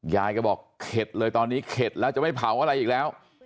ยายก็บอกเข็ดเลยตอนนี้เข็ดแล้วจะไม่เผาอะไรอีกแล้ว